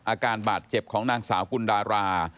อาการบาดเจ็บของนางสาวกุลดารา